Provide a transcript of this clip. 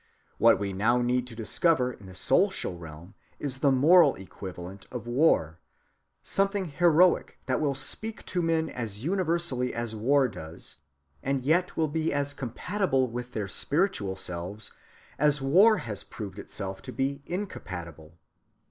What we now need to discover in the social realm is the moral equivalent of war: something heroic that will speak to men as universally as war does, and yet will be as compatible with their spiritual selves as war has proved itself to be incompatible.